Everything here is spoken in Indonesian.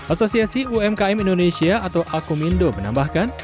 asosiasi umkm indonesia atau akumindo menambahkan